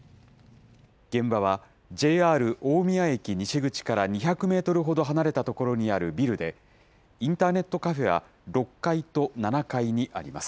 現場はＪＲ大宮駅西口から２００メートルほど離れた所にあるビルで、インターネットカフェは６階と７階にあります。